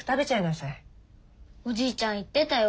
おじいちゃん言ってたよ